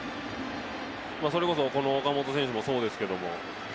それこそ、この岡本選手もそうですけど。